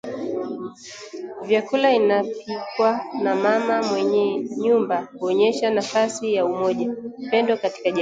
Chakula inapikwa na mama mwenye nyumba kuonyesha nafasi ya umoja, upendo katika jamii